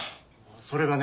それがね